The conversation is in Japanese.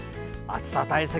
暑さ対策